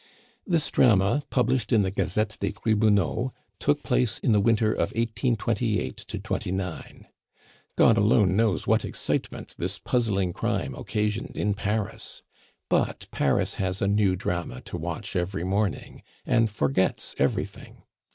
This drama, published in the Gazette des Tribunaux, took place in the winter of 1828 29. God alone knows what excitement this puzzling crime occasioned in Paris! But Paris has a new drama to watch every morning, and forgets everything.